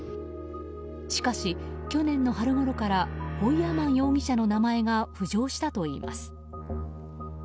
しかし去年の春ごろからホイヤーマン容疑者の名前が浮上したといいます。